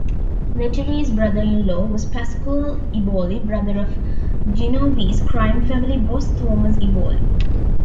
Lettieri's brother-in-law was Pasquale Eboli, brother of Genovese crime family boss Thomas Eboli.